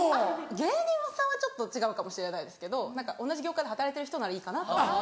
芸人さんはちょっと違うかもしれないですけど何か同じ業界で働いてる人ならいいかなって。